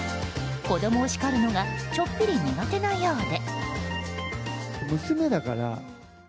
子供を叱るのがちょっぴり苦手なようで。